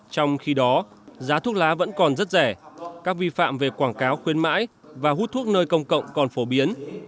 trong khi đó giá thuốc lá vẫn còn rất rẻ các vi phạm về quảng cáo khuyên mãi và hút thuốc nơi công cộng còn phổ biến